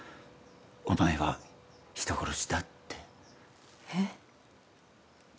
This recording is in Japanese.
「お前は人殺しだ」ってえッ？